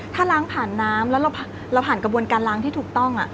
ถ้าล้างผ่านน้ำแล้วเราผ่านกระบวนการล้างที่ถูกต้อง